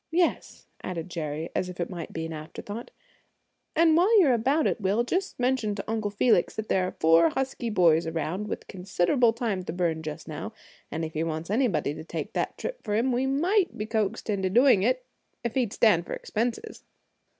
"Yes," added Jerry, as if it might be an afterthought, "and while you're about it, Will, just mention to Uncle Felix that there are four husky boys around, with considerable time to burn just now, and if he wants anybody to take that trip for him we might be coaxed into doing it, if he'd stand for expenses."